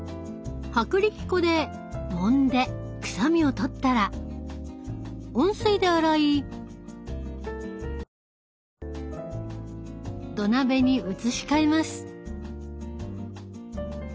薄力粉でもんでくさみをとったら温水で洗い土鍋に移し替えます。